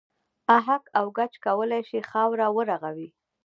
اهک او ګچ کولای شي خاوره و رغوي.